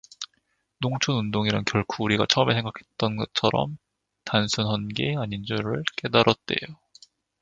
농촌운동이란 결코 우리가 처음에 생각허던 것처럼 단순헌 게 아닌 줄을 깨달었에요.